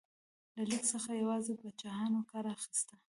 له لیک څخه یوازې پاچاهانو کار اخیسته.